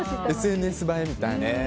ＳＮＳ映えみたいな。